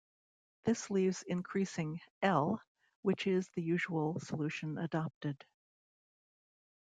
This leaves increasing "L" which is the usual solution adopted.